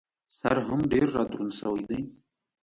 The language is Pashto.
سر هم ډېر را دروند شوی دی.